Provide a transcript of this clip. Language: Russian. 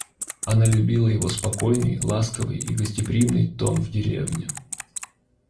Она любила его спокойный, ласковый и гостеприимный тон в деревне.